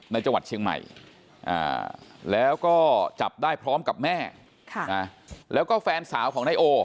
จังหวัดเชียงใหม่แล้วก็จับได้พร้อมกับแม่แล้วก็แฟนสาวของนายโอ